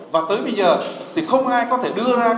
và tới bây giờ thì không ai có thể đưa ra